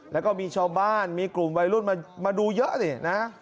แล้วก็มีชาวบ้านมีกลุ่มวัยรุ่นมาดูเยอะนี่นะ